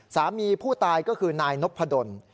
สามีผู้ตายก็คือนายนพดล